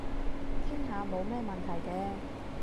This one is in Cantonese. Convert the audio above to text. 傾下冇咩問題嘅